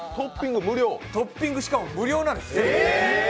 トッピング、しかも無料なんです。